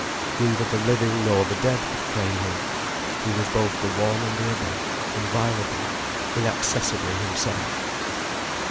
Neither the living nor the dead could claim him, he was both the one and the other, inviolable, inaccessibly himself.